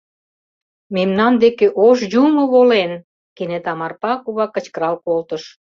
— Мемнан деке Ош Юмо волен! — кенета Марпа кува кычкырал колтыш.